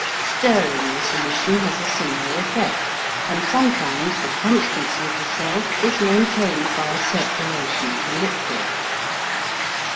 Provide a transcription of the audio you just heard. Stirring the solution has a similar effect, and sometimes the constancy of the cell is maintained by a circulation of the liquid.